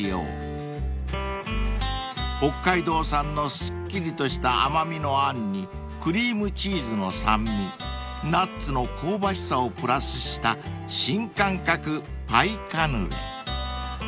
［北海道産のすっきりとした甘味のあんにクリームチーズの酸味ナッツの香ばしさをプラスした新感覚パイ・カヌレ］